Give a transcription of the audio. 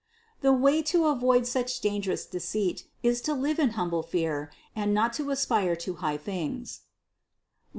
621. The way to avoid such dangerous deceit is to live in humble fear and not to aspire to high things (Rom.